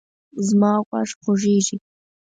زما غوږ خوږیږي